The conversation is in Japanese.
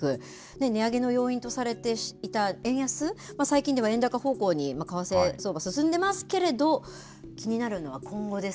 値上げの要因とされていた円安、最近では円高方向に為替相場、進んでますけれど、気になるのは今後です。